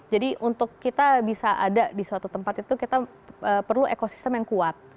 jadi untuk kita bisa ada di suatu tempat itu kita perlu ekosistem yang kuat